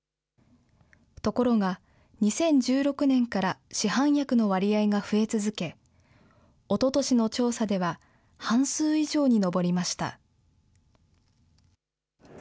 ところが、２０１６年から市販薬の割合が増え続け、おととしの調査では、半数以上に上りました。